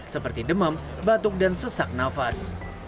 seperti demam batuk dan sesak nafas